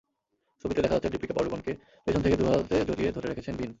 ছবিতে দেখা যাচ্ছে দীপিকা পাড়ুকোনকে পেছন থেকে দুহাতে জড়িয়ে ধরে রেখেছেন ভিন।